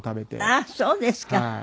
あっそうですか。